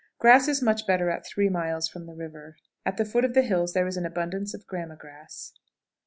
Grass is much better at three miles from the river. At the foot of the hills there is an abundance of grama grass.